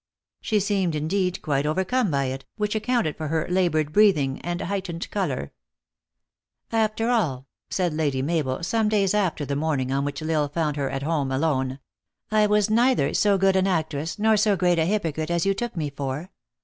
She seemed, indeed, quite overcome by it, which accounted for her labored breathing and heightened color. x ># ##*" After all," said Lady Mabel, some days after the THE ACTRESS IN HIGH LIFE. 415 morning on which L Isle found her at home alone, " I was neither so good an actress, nor so great a hypo crite as you took me for.